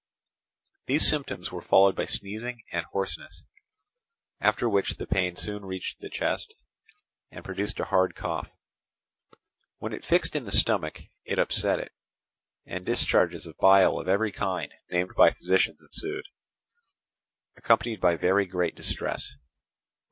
These symptoms were followed by sneezing and hoarseness, after which the pain soon reached the chest, and produced a hard cough. When it fixed in the stomach, it upset it; and discharges of bile of every kind named by physicians ensued, accompanied by very great distress.